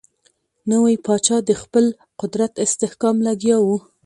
نوی پاچا د خپل قدرت استحکام لګیا وو.